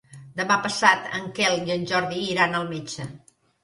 Demà passat en Quel i en Jordi iran al metge.